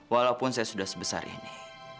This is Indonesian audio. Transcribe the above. walaupun saya sudah sebesar ini